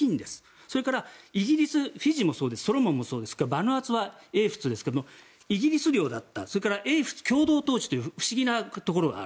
それからイギリスフィジーもソロモンもそうですバヌアツは英仏ですがイギリス領だった英仏共同当主という不思議なところがある。